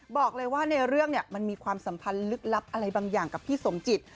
บอกเลยว่าในเรื่องเนี่ยมันมีความสัมพันธ์ลึกลับอะไรบางอย่างกับพี่สมจิต